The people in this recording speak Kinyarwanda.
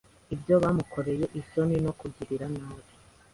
Ibyo bamukoreye isoni no kugirira nabi